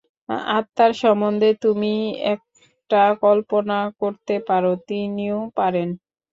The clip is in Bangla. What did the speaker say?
আত্মার সম্বন্ধে তুমি একটা কল্পনা করতে পার, তিনিও পারেন।